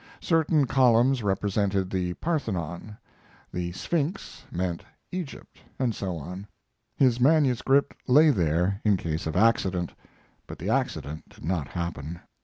Certain columns represented the Parthenon; the Sphinx meant Egypt, and so on. His manuscript lay there in case of accident, but the accident did not happen.